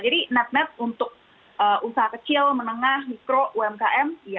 jadi net net untuk usaha kecil menengah mikro umkm